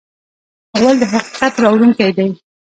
غول د حقیقت راوړونکی دی.